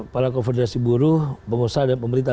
para konfederasi buruh pengusaha dan pemerintah